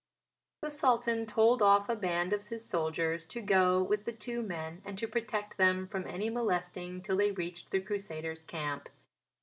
The Sultan told off a band of his soldiers to go with the two men and to protect them from any molesting till they reached the Crusaders' Camp.